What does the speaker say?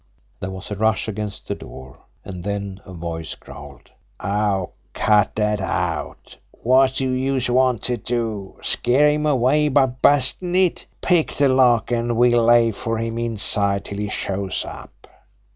There was a rush against the door and then a voice growled: "Aw, cut dat out! Wot do youse want to do scare him away by bustin' it! Pick de lock, an' we'll lay for him inside till he shows up."